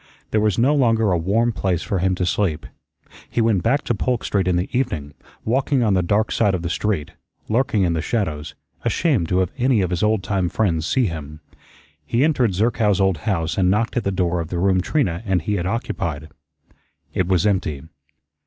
There was no longer a warm place for him to sleep. He went back to Polk Street in the evening, walking on the dark side of the street, lurking in the shadows, ashamed to have any of his old time friends see him. He entered Zerkow's old house and knocked at the door of the room Trina and he had occupied. It was empty.